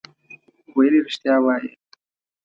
ویل یې رښتیا وایې.